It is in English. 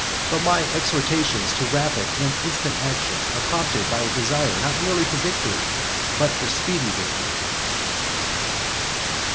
But my exhortations to rapid and instant action are prompted by a desire not merely for victory, but for speedy victory.